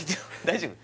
大丈夫？